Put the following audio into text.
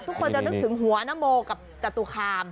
ทุกคนจะนึกถึงหัวนโมกับจตุคาม